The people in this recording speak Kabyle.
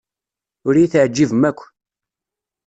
Ur iyi-teɛjibem akk.